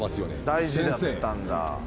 大事だったんだ。